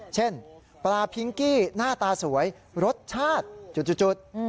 เช่นปลาพิงกี้หน้าตาสวยรสชาติจุด